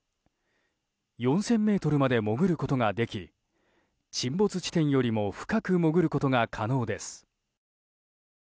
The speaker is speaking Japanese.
４０００ｍまで潜ることができ沈没地点よりも深く潜ることが可能です。